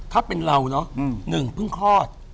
ถ้าเป็นเราเนอะหนึ่งเพิ่งคลอด